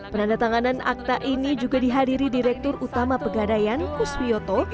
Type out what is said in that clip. penanda tanganan akta ini juga dihadiri direktur utama pegadayan kuswi yoto